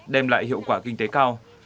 đem lại hiệu quả kinh tế cao